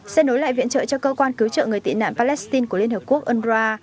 sẽ nối lại viện trợ cho cơ quan cứu trợ người tị nạn palestine của liên hợp quốc unrwa